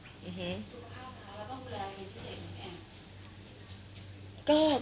สุขภาพค่ะแล้วต้องดูแลยังไงพิเศษ